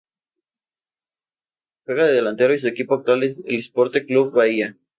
Juega de delantero y su equipo actual es el Esporte Clube Bahia.